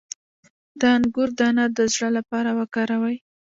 د انګور دانه د زړه لپاره وکاروئ